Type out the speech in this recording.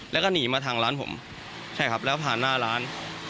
แล้วก็หนีมาทางร้านผมใช่ครับแล้วผ่านหน้าร้าน